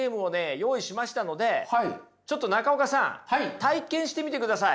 用意しましたのでちょっと中岡さん体験してみてください。